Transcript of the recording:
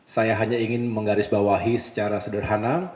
saya hanya ingin menggarisbawahi secara sederhana